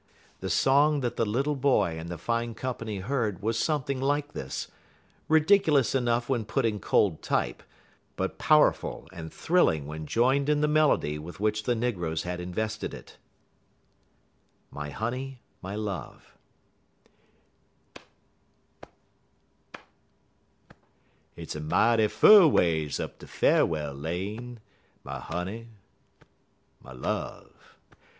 The song that the little boy and the fine company heard was something like this ridiculous enough when put in cold type, but powerful and thrilling when joined to the melody with which the negroes had invested it: MY HONEY, MY LOVE _Hit's a mighty fur ways up de Far'well Lane, My honey, my love!